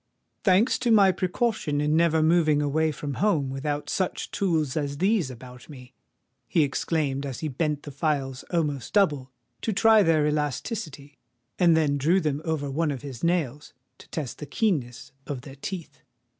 "Thanks to my precaution in never moving away from home without such tools as these about me!" he exclaimed, as he bent the files almost double to try their elasticity, and then drew them over one of his nails to test the keenness of their teeth.